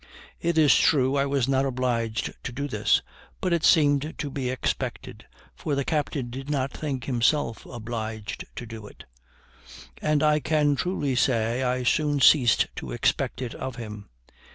It is true I was not obliged to do this; but it seemed to be expected; for the captain did not think himself obliged to do it, and I can truly say I soon ceased to expect it of him.